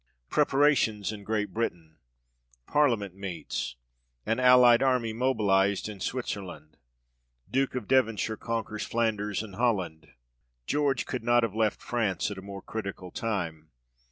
Preparations in Great Britain. Parliament meets. An allied army mobilized in Switzerland. Duke of Devon shire conquers Flanders and Holland. GEORGE could not have left France at a more critical time.